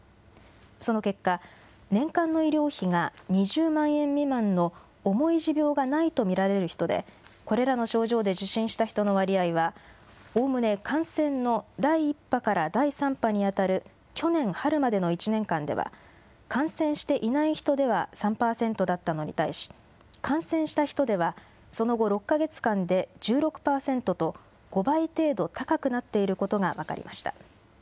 その結果、年間の医療費が２０万円未満の重い持病がないと見られる人で、これらの症状で受診した人の割合は、おおむね感染の第１波から第３波に当たる去年春までの１年間では、感染していない人では３％だったのに対し、感染した人ではその後６か月間で１６％と、５倍程度高くなっていることが分かりました。